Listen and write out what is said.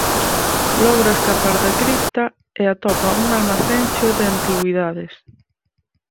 Logra escapar da cripta e atopa un almacén cheo de antigüidades.